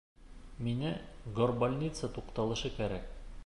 Миңә «Горбольница» туҡталышы кәрәк.